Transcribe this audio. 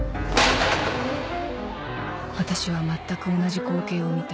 私は全く同じ光景を見た